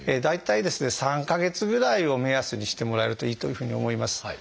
大体ですね３か月ぐらいを目安にしてもらえるといいというふうに思います。